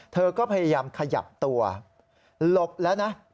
เธอก็พยายามขยับตัวหลบแล้วนะ